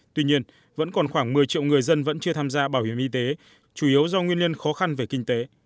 tuy nhiên vẫn còn khoảng một mươi triệu người dân vẫn chưa tham gia bảo hiểm y tế chủ yếu do nguyên nhân khó khăn về kinh tế